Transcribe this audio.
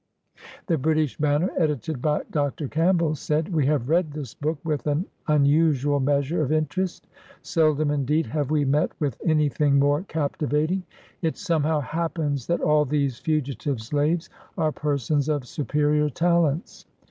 The British Banner, edited by Dr. Campbell, said: — "We have read this book with an unusual measure of interest. Seldom, indeed, have we met with any thing more captivating. It somehow happens that all these fugitive slaves are persons of superior talents.